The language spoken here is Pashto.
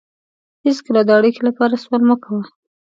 هېڅکله د اړیکې لپاره سوال مه کوه.